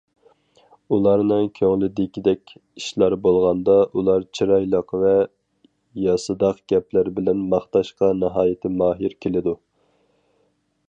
ئۇلارنىڭ كۆڭلىدىكىدەك ئىشلار بولغاندا، ئۇلار چىرايلىق ۋە ياسىداق گەپلەر بىلەن ماختاشقا ناھايىتى ماھىر كېلىدۇ.